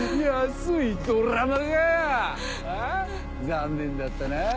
残念だったなぁ。